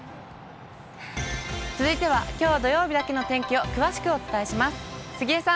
続いては、きょう土曜日だけの天気を詳しくお伝えします。